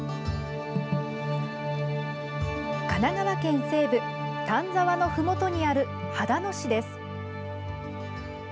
神奈川県西部丹沢のふもとにある秦野市です。